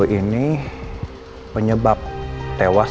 saya maunya tinggal di satu pagi